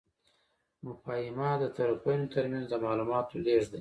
مفاهمه د طرفینو ترمنځ د معلوماتو لیږد دی.